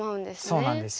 そうなんです。